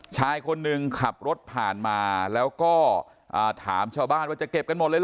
ชายคนหนึ่งขับรถผ่านมาแล้วก็ถามชาวบ้านว่าจะเก็บกันหมดเลยเห